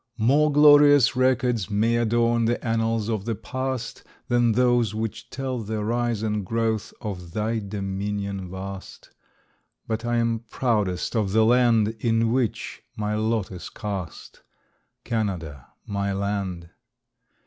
More glorious records may adorn The annals of the past Than those which tell the rise and growth Of thy dominion vast; But I am proudest of the land In which my lot is cast, Canada, my land.